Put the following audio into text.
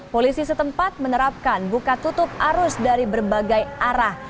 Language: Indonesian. polisi setempat menerapkan buka tutup arus dari berbagai arah